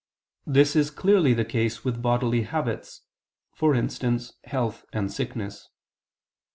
This is clearly the case with bodily habits for instance, health and sickness.